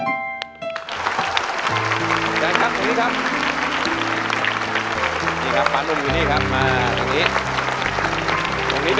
ขออนุญาตครับตรงนี้ครับ